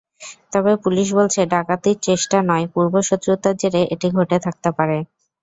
তবে পুলিশ বলছে, ডাকাতির চেষ্টা নয়, পূর্বশত্রুতার জেরে এটি ঘটে থাকতে পারে।